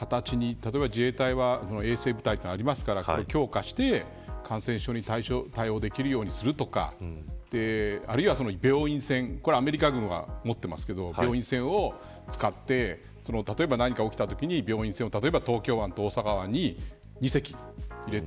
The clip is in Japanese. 例えば自衛隊は衛生部隊がありますからそれを強化して感染症に対応できるようにするとかあるいは病院船アメリカ軍は持ってますけど病院船を使って例えば、何か起きたときに病院船を東京湾と大阪湾に２隻入れて。